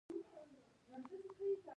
القلي سور لتمس کاغذ ته آبي رنګ ورکوي.